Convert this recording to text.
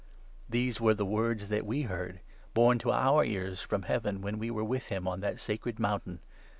These were the words that we heard, borne to our 18 ears from Heaven, when we were with him on that Sacred Mountain.